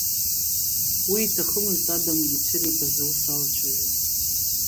Уи иҭахымызт Адамыр ицәыригаз аус алацәажәара.